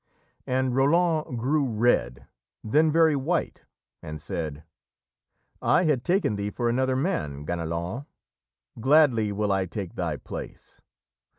And Roland grew red, then very white, and said: "I had taken thee for another man, Ganelon. Gladly will I take thy place.